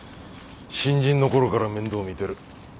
新人のころから面倒を見てる。